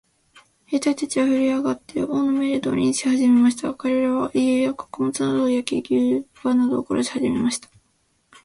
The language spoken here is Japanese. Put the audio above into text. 兵隊たちはふるえ上って、王の命令通りにしはじめました。かれらは、家や穀物などを焼き、牛馬などを殺しはじめました。